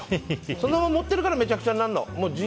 そんなの持ってるからめちゃくちゃになるの。